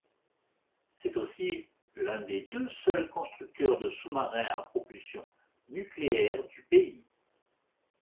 C’est aussi l’un des deux seuls constructeurs de sous-marins à propulsion nucléaire du pays.